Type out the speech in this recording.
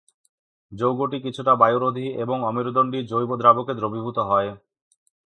যৌগটি কিছুটা বায়ুরোধী এবং অমেরুদন্ডী জৈব দ্রাবকে সহজে দ্রবীভূত হয়।